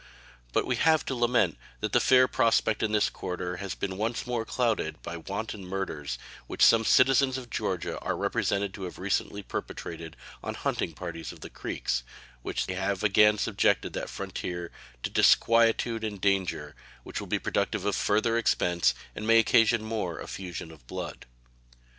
But we have to lament that the fair prospect in this quarter has been once more clouded by wanton murders, which some citizens of Georgia are represented to have recently perpetrated on hunting parties of the Creeks, which have again subjected that frontier to disquietude and danger, which will be productive of further expense, and may occasion more effusion of blood.